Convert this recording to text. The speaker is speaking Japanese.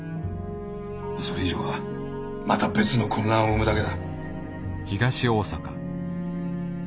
それ以上はまた別の混乱を生むだけだ。